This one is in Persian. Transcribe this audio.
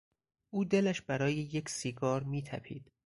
او دلش برای یک سیگار میتپید.